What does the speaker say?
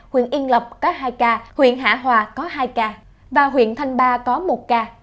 huyện yên lập có hai ca huyện hạ hòa có hai ca và huyện thanh ba có một ca